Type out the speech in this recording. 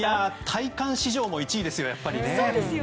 体感史上も１位ですよね、やっぱり。